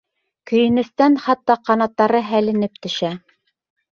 Көйөнөстән хатта ҡанаттары һәленеп төшә.